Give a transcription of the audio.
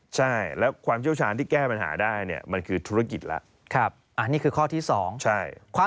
ใช่แล้วความเชี่ยวชาญที่แก้ปัญหาได้เนี่ยมันคือธุรกิจแล้ว